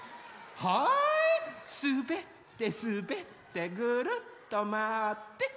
はいすべってすべってぐるっとまわってはいポーズ。